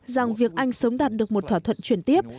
rằng việc anh sớm đạt được một thỏa thuận chuyển tiếp